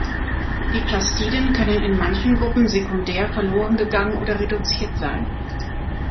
Die Plastiden können in manchen Gruppen sekundär verloren gegangen oder reduziert sein.